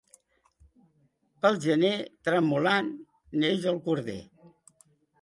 Pel gener, tremolant, neix el corder.